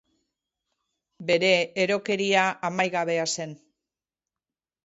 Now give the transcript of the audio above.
Bere erokeria amaigabea zen.